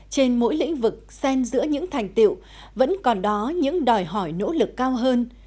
trên mỗi lĩnh vực xen giữa những thành tiệu vẫn còn đó những đòi hỏi nỗ lực cao hơn